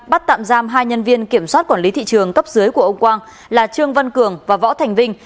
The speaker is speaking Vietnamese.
bắt tạm giam hai nhân viên kiểm soát quản lý thị trường cấp dưới của ông quang là trương văn cường và võ thành vinh